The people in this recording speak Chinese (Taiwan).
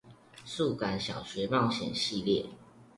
數感小學冒險系列